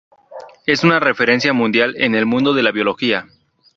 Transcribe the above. Es una referencia mundial en el mundo de la biología.